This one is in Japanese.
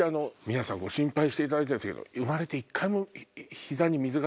皆さんご心配していただいてるんですけど。